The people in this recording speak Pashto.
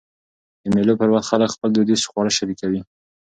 د مېلو پر وخت خلک خپل دودیز خواړه شریکوي.